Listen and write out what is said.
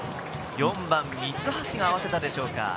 ４番・三橋が合わせたでしょうか。